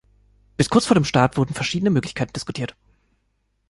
Bis kurz vor dem Start wurden verschiedene Möglichkeiten diskutiert.